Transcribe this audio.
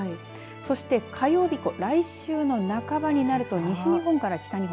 特に火曜日以降来週の半ばになると西日本から北日本